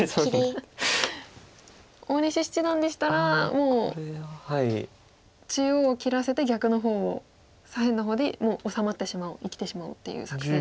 大西七段でしたらもう中央を切らせて逆の方を左辺の方でもう治まってしまおう生きてしまおうっていう作戦。